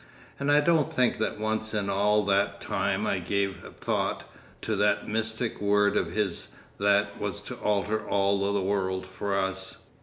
And I don't think that once in all that time I gave a thought to that mystic word of his that was to alter all the world for us.